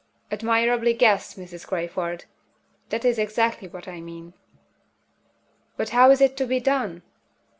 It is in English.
"Admirably guessed, Mrs. Crayford! That is exactly what I mean." "But how is it to be done?"